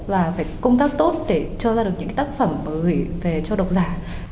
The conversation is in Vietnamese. và phải công tác tốt để cho ra được những cái tác phẩm gửi về cho độc giả